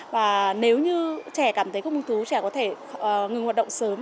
và nếu như trẻ cảm thấy không hứng thú trẻ có thể ngừng hoạt động sớm